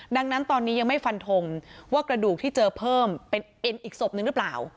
ดังนั้นตอนนี้ยังไม่ฟันทงว่ากระดูกที่เจอเพิ่มเป็นเอ็นอีกศพนึงหรือเปล่า